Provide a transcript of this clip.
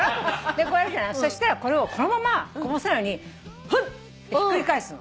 そしたらこれをこのままこぼさないようにフッ！ってひっくり返すの。